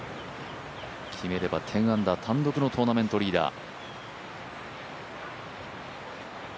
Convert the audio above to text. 決めれば１０アンダー、単独のトーナメントリーダー。